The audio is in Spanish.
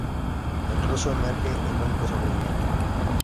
El Ruso emerge, el único sobreviviente.